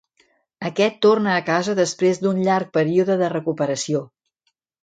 Aquest torna a casa després d'un llarg període de recuperació.